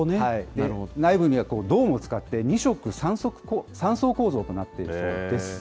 内部には銅も使って、２色３層構造となっているそうです。